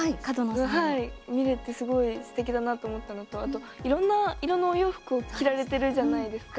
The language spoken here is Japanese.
はい、見れてすごいすてきだなと思ったのと、あといろんな色のお洋服を着られてるじゃないですか。